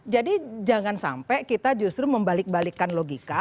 jadi jangan sampai kita justru membalik balikkan logika